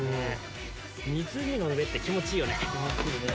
湖の上って気持ちいいよね。